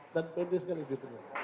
dan pendek sekali gitu ya